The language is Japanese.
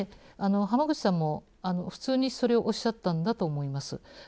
濱口さんも普通にそれをおっしゃったんだと思います。